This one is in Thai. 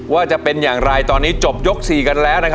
ว่าจะเป็นอย่างไรตอนนี้จบยก๔กันแล้วนะครับ